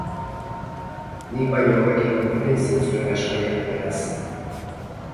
Nik baino hobeki konprenitzen zuen gaskoia, beraz.